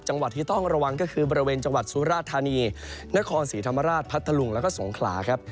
จังหวัดที่ต้องระวังก็คือบริเวณจังหวัดสุราธานีนครศรีธรรมราชพัทธลุงแล้วก็สงขลาครับ